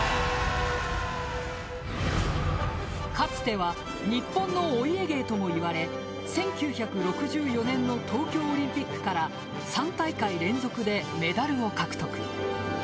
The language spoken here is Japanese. かつては日本のお家芸ともいわれ１９６４年の東京オリンピックから３大会連続でメダルを獲得。